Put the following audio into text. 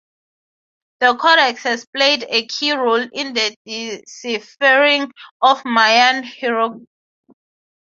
The codex has played a key role in the deciphering of Mayan hieroglyphs.